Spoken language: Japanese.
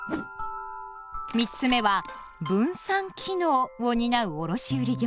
三つ目は「分散機能」を担う卸売業者。